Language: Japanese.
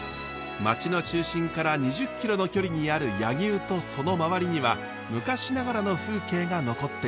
町の中心から２０キロの距離にある柳生とその周りには昔ながらの風景が残っています。